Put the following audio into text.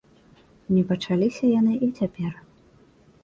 Не пачаліся яны і цяпер.